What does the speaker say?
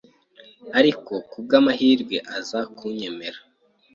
ariko ku bw’amahirwe aza kunyemera